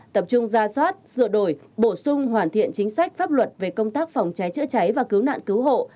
tập trung ra soát sửa đổi bổ sung hoàn thiện chính sách pháp luật về công tác phòng cháy chữa cháy và cứu nạn cứu hộ